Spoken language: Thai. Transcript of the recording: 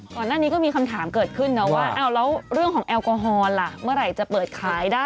ก่อนหน้านี้ก็มีคำถามเกิดขึ้นแล้วว่า